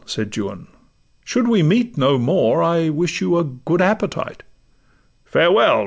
said Juan: 'should we meet no more, I wish you a good appetite.'—'Farewell!